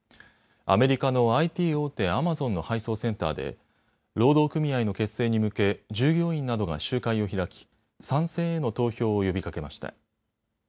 アメリカのＩＴ大手、アマゾンの配送センターで労働組合の結成に向け従業員などが集会を開き賛成への投票を呼びかけました。